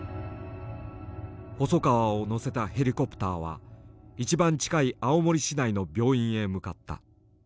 細川を乗せたヘリコプターは一番近い青森市内の病院へ向かった。